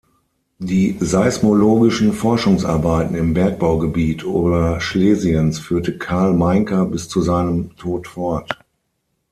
Die seismologischen Forschungsarbeiten im Bergbaugebiet Oberschlesiens führte Carl Mainka bis zu seinem Tod fort.